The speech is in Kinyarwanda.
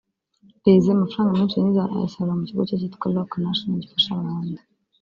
Jay Z amafaranga menshi yinjiza ayasarura mu kigo cye cyitwa Roc Nation gifasha abahanzi